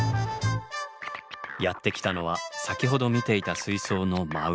やって来たのは先ほど見ていた水槽の真上。